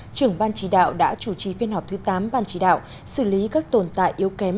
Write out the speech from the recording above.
trưởng ban chỉ đạo đã chủ trì phiên họp thứ tám ban chỉ đạo xử lý các tồn tại yếu kém